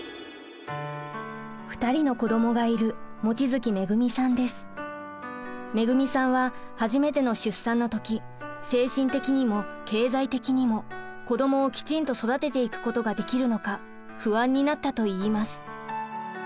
２人の子どもがいる恵さんは初めての出産のとき精神的にも経済的にも子どもをきちんと育てていくことができるのか不安になったといいます。